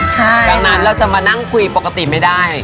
ดังนั้นเราจะมานั่งคุยปกติไม่ได้